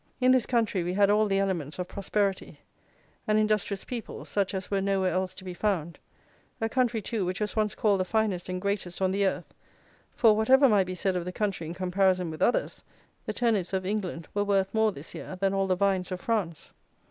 In this country we had all the elements of prosperity; an industrious people, such as were nowhere else to be found; a country, too, which was once called the finest and greatest on the earth (for whatever might be said of the country in comparison with others, the turnips of England were worth more, this year, than all the vines of France).